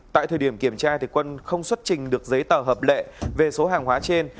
tại thời điểm kiểm tra quân không xuất trình được giấy tờ hợp lệ về số hàng hóa trên